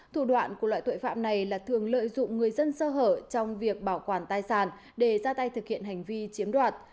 thủ đoạn của loại tội phạm này là thường lợi dụng người dân sơ hở trong việc bảo quản tài sản để ra tay thực hiện hành vi chiếm đoạt